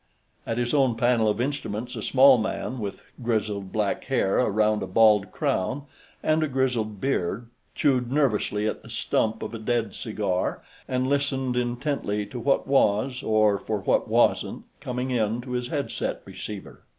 At his own panel of instruments, a small man with grizzled black hair around a bald crown, and a grizzled beard, chewed nervously at the stump of a dead cigar and listened intently to what was or for what wasn't coming in to his headset receiver.